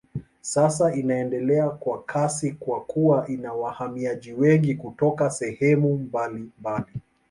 Sasa inaendelea kwa kasi kwa kuwa ina wahamiaji wengi kutoka sehemu mbalimbali.